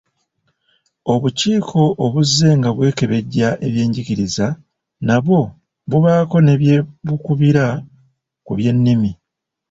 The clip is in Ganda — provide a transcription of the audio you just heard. Obukiiko obuzzenga bwekebejja ebyenjigiriza nabwo bubaako ne bye bukubira ku by’ennimi.